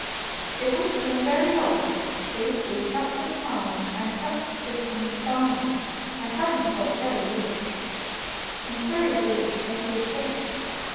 It would have been very odd if with such a farm and such a system of farming they hadn't got very rich; and very rich they DID get.